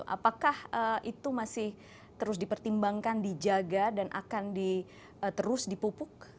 apakah itu masih terus dipertimbangkan dijaga dan akan terus dipupuk